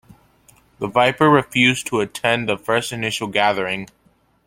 The Viper refused to attend the first initial gathering.